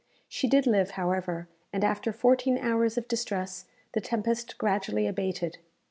She did live, however, and after fourteen hours of distress, the tempest gradually abated.